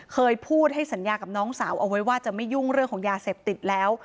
เคยพูดให้สัญญากับน้องสาวเอาไว้ว่าจะไม่ยุ่งเรื่องของยาเสพติดแล้ว